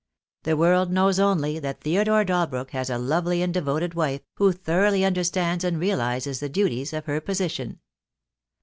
The world knows only that Theodore Dalbrook has a lovely and devoted wife, who thoroughly understands and realises the duties of her position.